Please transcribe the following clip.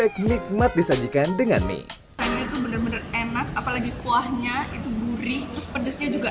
cermat disajikan dengan mie itu bener bener enak apalagi kuahnya itu burih terus pedasnya juga